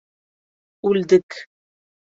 Үлдек!..